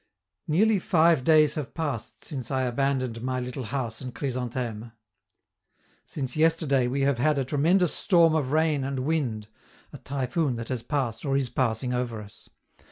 Nearly five days have passed since I abandoned my little house and Chrysantheme. Since yesterday we have had a tremendous storm of rain and wind (a typhoon that has passed or is passing over us).